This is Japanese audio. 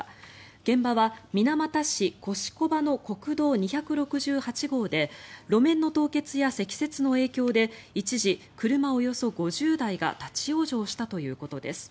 現場は水俣市越小場の国道２６８号で路面の凍結や積雪の影響で一時、車およそ５０台が立ち往生したということです。